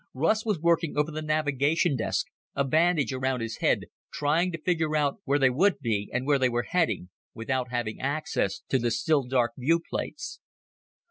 Russ was working over the navigation desk, a bandage around his head, trying to figure out where they would be and where they were heading, without having access to the still dark viewplates.